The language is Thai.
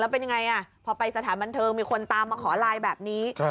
เป็นยังไงพอไปสถานบันเทิงมีคนตามมาขอไลน์แบบนี้